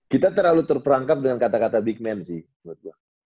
kita terlalu terperangkap dengan kata kata big man sih menurut gue